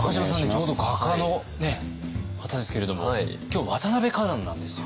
ちょうど画家の方ですけれども今日渡辺崋山なんですよ。